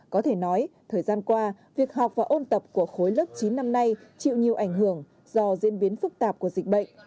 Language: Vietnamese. có thể nói thời gian qua việc học và ôn tập của khối lớp chín năm nay chịu nhiều ảnh hưởng do diễn biến phức tạp của dịch bệnh